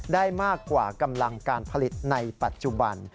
ได้มากกว่ากำลังการผลิตในปัจจุบัน